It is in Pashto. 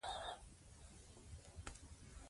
فارسي څانګه ادبیات مجله درلوده.